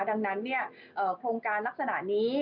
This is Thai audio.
ดังนั้นโครงการลักษณะนี้